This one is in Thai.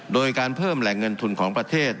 โดยการเพิ่มแหล่งเงินทุนของประเทศ